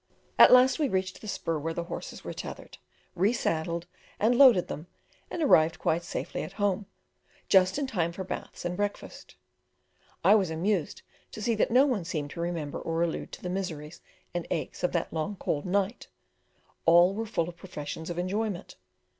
At last we reached the spur where the horses were tethered, re saddled and loaded them, and arrived quite safely at home, just in time for baths and breakfast. I was amused to see that no one seemed to remember or allude to the miseries and aches of that long cold night; all were full of professions of enjoyment.